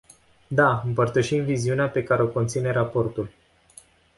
Da, împărtășim viziunea pe care o conține raportul.